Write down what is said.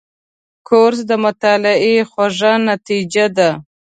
کورس د مطالعې خوږه نتیجه ده.